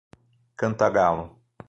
Cantagalo